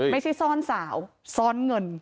ไม่ใช่ซ่อนสาวซ่อนเงิน